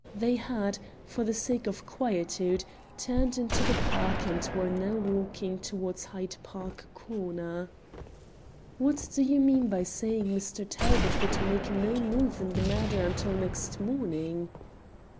They had, for the sake of quietude, turned into the Park, and were now walking towards Hyde Park Corner. "What do you mean by saying that Mr. Talbot would make no move in the matter until next morning?"